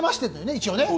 一応ね。